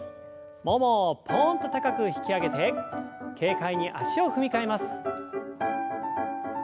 ももをポンと高く引き上げて軽快に足を踏み替えます。